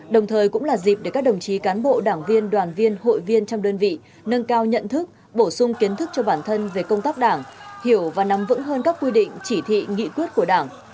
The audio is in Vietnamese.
đồng thời cũng là dịp để các đồng chí cán bộ đảng viên đoàn viên hội viên trong đơn vị nâng cao nhận thức bổ sung kiến thức cho bản thân về công tác đảng hiểu và nắm vững hơn các quy định chỉ thị nghị quyết của đảng